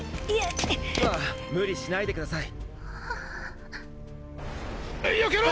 あぁ無理しないでください。よけろ！！